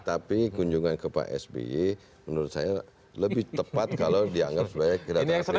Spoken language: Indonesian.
tapi kunjungan ke pak s b menurut saya lebih tepat kalau dianggap sebagai kedatangan pribadi